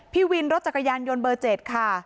พี่วินรถจักรยานยนต์เบอร์๗ค่ะ